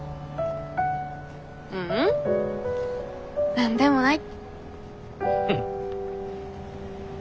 ううん何でもない。